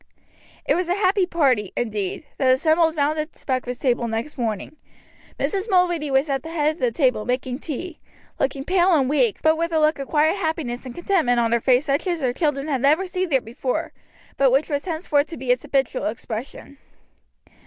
It was a happy party, indeed, that assembled round the breakfast table next morning. Mrs. Mulready was at the head of the table making tea, looking pale and weak, but with a look of quiet happiness and contentment on her face such as her children had never seen there before, but which was henceforth to be its habitual expression.